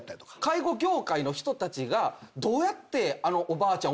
介護業界の人たちが「どうやってあのおばあちゃん